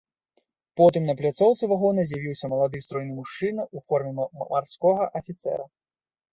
Потым на пляцоўцы вагона з'явіўся малады стройны мужчына ў форме марскога афіцэра.